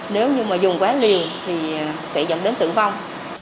nếu như mà dùng quá liều thì sẽ dẫn đến tử vong